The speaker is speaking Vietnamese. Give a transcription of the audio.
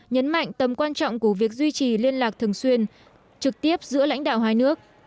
nhấn mạnh tầm quan trọng của việc duy trì liên lạc thường xuyên trực tiếp giữa lãnh đạo hai nước